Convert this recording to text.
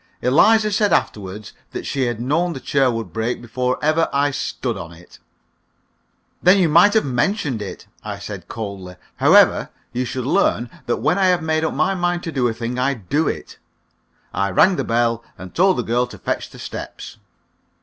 Eliza said afterward that she had known the chair would break before ever I stood on it. "Then you might have mentioned it," I said, coldly. "However, you shall learn that when I have made up my mind to do a thing, I do it." I rang the bell, and told the girl to fetch the steps.